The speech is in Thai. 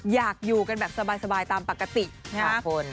อยากอยู่กันแบบสบายตามปกตินะครับ